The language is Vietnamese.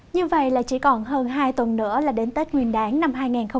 như vậy là chỉ còn hơn hai tuần nữa là đến tết nguyên đáng năm hai nghìn hai mươi